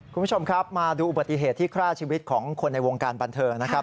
คุณผู้ชมครับมาดูอุบัติเหตุที่ฆ่าชีวิตของคนในวงการบันเทิงนะครับ